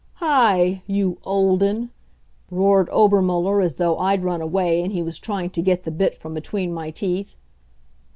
"Hi you, Olden!" roared Obermuller, as though I'd run away and he was trying to get the bit from between my teeth.